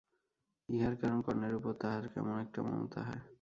ইহার কারণ কর্ণের উপর তাহার কেমন একটা মমতা হয়।